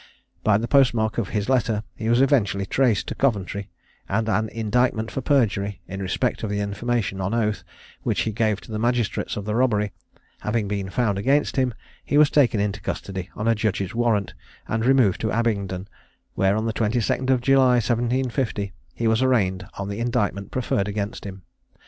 By the post mark of his letter, he was eventually traced to Coventry, and an indictment for perjury, in respect of the information on oath, which he gave to the magistrates of the robbery, having been found against him, he was taken into custody on a judge's warrant, and removed to Abingdon, where, on the 22d July, 1750, he was arraigned on the indictment preferred against him.